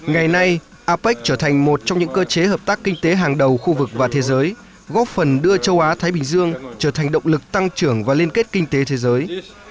ngày nay apec trở thành một trong những cơ chế hợp tác kinh tế hàng đầu khu vực và thế giới góp phần đưa châu á thái bình dương trở thành động lực tăng trưởng và liên kết kinh tế thế giới